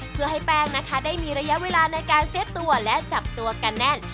เพื่อให้แป้งนะคะได้มีระยะเวลาในการเซ็ตตัวและจับตัวกันแน่น